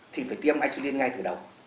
thì phải tiêm insulin ngay từ đầu